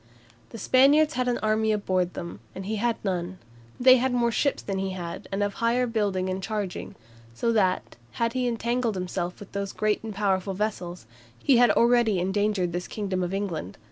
The Spaniards had an army aboard them, and he had none; they had more ships than he had, and of higher building and charging; so that, had he entangled himself with those great and powerful vessels, he had greatly endangered this kingdom of England.